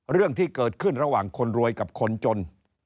เรื่องที่เกิดขึ้นระหว่างคนรวยกับคนจน